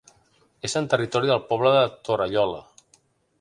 És en territori del poble de Torallola.